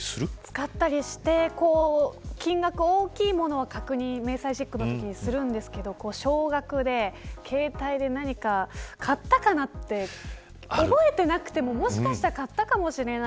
使ったりして金額の大きいものは明細チェックするんですけど少額で携帯で、何か買ったかなって覚えてなくてももしかしたら買ったかな。